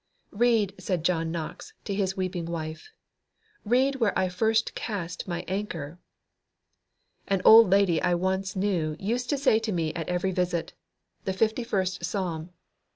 "Read," said John Knox to his weeping wife, "read where I first cast my anchor." An old lady I once knew used to say to me at every visit, "The Fifty first Psalm."